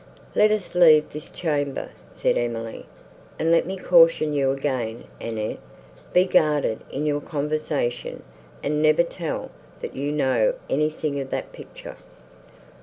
"Let us leave this chamber," said Emily: "and let me caution you again, Annette; be guarded in your conversation, and never tell, that you know anything of that picture."